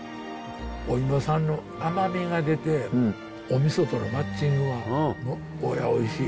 おイモさんの甘みが出ておみそとのマッチングがおいしい。